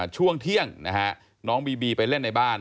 ช่วงเที่ยงนะฮะน้องบีบีไปเล่นในบ้าน